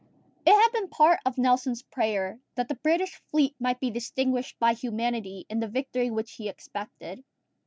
It had been part of Nelson's prayer, that the British fleet might be distinguished by humanity in the victory which he expected.